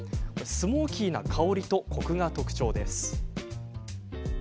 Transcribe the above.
スモーキーな香りとコクが特徴です。